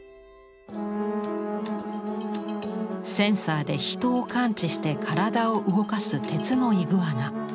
センサーで人を感知して体を動かす鉄のイグアナ。